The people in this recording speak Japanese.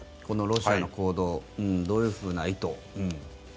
このロシアの行動どういうふうな意図。